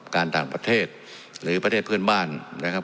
การต่างประเทศหรือประเทศเพื่อนบ้านนะครับ